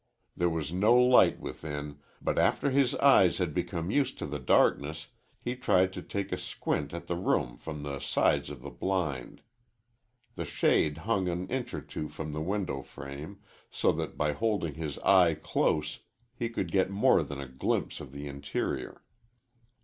There was no light within, but after his eyes had become used to the darkness he tried to take a squint at the room from the sides of the blind. The shade hung an inch or two from the window frame, so that by holding his eye close he could get more than a glimpse of the interior.